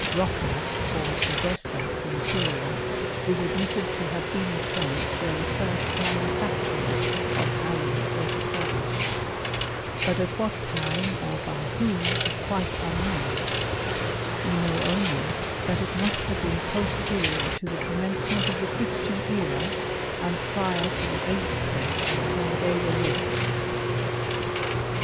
jRocca, or Edessa, in Syria, is admitted to have been the place where the first manufactory of alum was established ; but at what time, or by whom, is quite unknown : we know only that it must have been pos terior to the commencement of the Christian era, and prior to the eighth century, when Geber wrote.